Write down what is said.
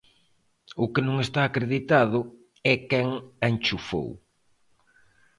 O que non está acreditado é quen a enchufou.